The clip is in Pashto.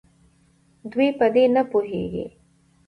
دوي په دې نپوهيږي